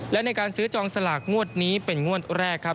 และในการซื้อจองสลากงวดนี้เป็นงวดแรกครับ